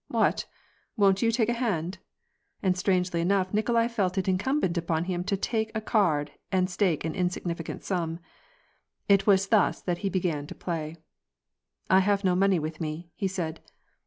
" What ? Won't you take a hand ?" and strangely enough Nikolai felt it incumbent upon him to take a card and stake an insignificant sum. It was thus that he began to play. " I have no money with me," he said.